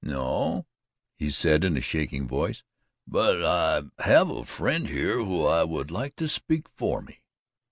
The Red Fox rose: "No," he said in a shaking voice; "but I have a friend here who I would like to speak for me."